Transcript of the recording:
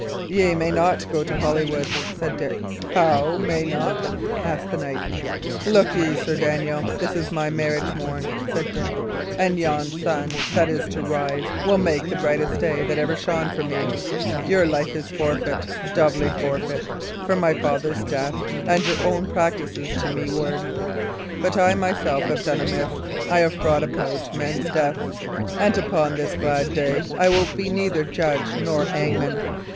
"Ye may not go to Holywood," said Dick. "How! May not?" asked the knight. "Look ye, Sir Daniel, this is my marriage morn," said Dick; "and yon sun that is to rise will make the brightest day that ever shone for me. Your life is forfeit doubly forfeit, for my father's death and your own practices to meward. But I myself have done amiss; I have brought about men's deaths; and upon this glad day I will be neither judge nor hangman.